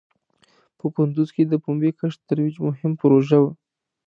په کندوز کې د پومبې کښت ترویج مهم پروژه وه.